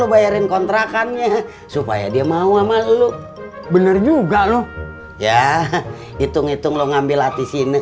lu bayarin kontrakannya supaya dia mau sama lu bener juga lu ya hitung hitung lu ngambil latih sini